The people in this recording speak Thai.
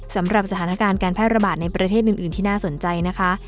สำหรับสถานการณ์การแพร่ระบาดในประเทศอื่นที่น่าสนใจนะคะ